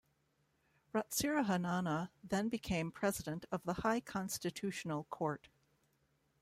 Ratsirahonana then became President of the High Constitutional Court.